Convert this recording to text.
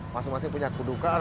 masing masing punya kedukaan